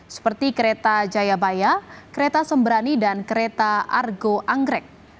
seperti kereta jayabaya kereta sembrani dan kereta argo anggrek